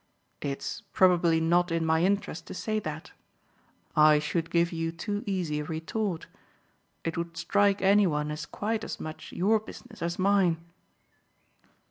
"It's probably not in my interest to say that. I should give you too easy a retort. It would strike any one as quite as much your business as mine."